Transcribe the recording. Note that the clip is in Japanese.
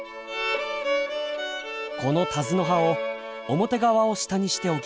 このタズの葉を表側を下にして置きます。